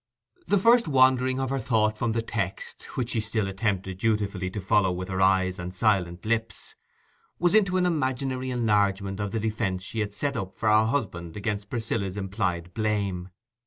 The first wandering of her thought from the text, which she still attempted dutifully to follow with her eyes and silent lips, was into an imaginary enlargement of the defence she had set up for her husband against Priscilla's implied blame.